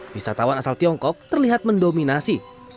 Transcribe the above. wisatawan asal tiongkok terlihat mendominasi